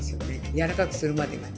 柔らかくするまでがね。